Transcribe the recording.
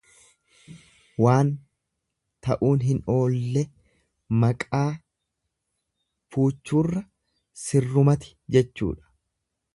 Waan ta'uun hin oolle maqaa fuuchuurra sirrumati jechuudha.